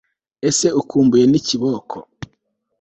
ese ukumbuye n'ikiboko